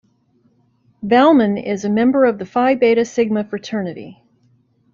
Valmon is a member of the Phi Beta Sigma fraternity.